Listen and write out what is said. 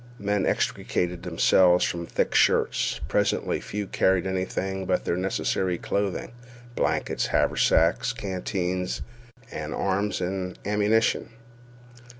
Men extricated themselves from thick shirts. Presently few carried anything but their necessary clothing, blankets, haversacks, canteens, and arms and ammunition.